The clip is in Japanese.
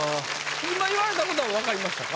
今言われたこと分かりましたか？